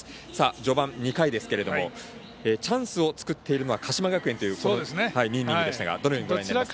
序盤、２回ですがチャンスを作っているのは鹿島学園という２イニングですがどうですか？